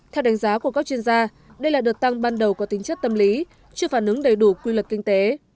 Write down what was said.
theo đánh giá của các chuyên gia đây là đợt tăng ban đầu có tính chất tâm lý chưa phản ứng đầy đủ quy luật kinh tế